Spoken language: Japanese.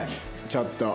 ちょっと。